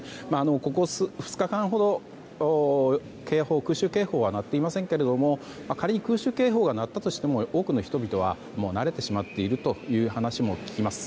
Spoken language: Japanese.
ここ２日間ほど空襲警報は鳴っていませんが仮に空襲警報が鳴ったとしても多くの人々は慣れてしまっているという話も聞きます。